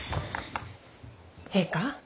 ええか？